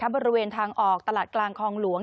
บริเวณทางออกตลาดกลางคลองหลวง